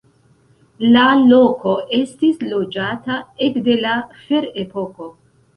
La loko estis loĝata ekde la ferepoko.